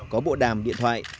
có bộ đàm điện thoại